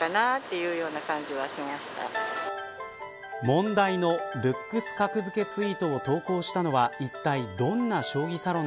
問題のルックス格付けツイートを投稿したのはいったいどんな将棋サロ